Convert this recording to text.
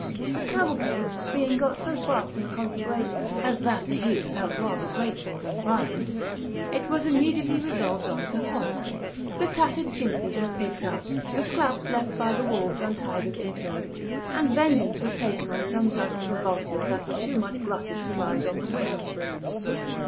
The cavalcade being got so far from the conflagration as that the heat felt rather grateful than violent, it was immediately resolved on to halt. The tattered chintzes were picked up, the scraps left by the wolves and tigers interred, and vengeance was taken on some dozens of vultures that were too much glutted to rise on the wing.